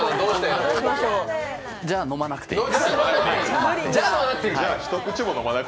じゃあ、飲まなくていい。